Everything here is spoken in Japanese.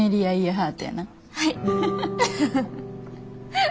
はい。